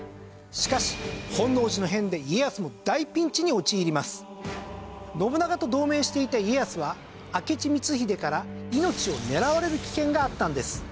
しかし本能寺の変で信長と同盟していた家康は明智光秀から命を狙われる危険があったんです。